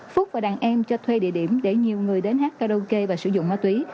phúc và đàn em cho thuê địa điểm để nhiều người đến hát karaoke và sử dụng ma túy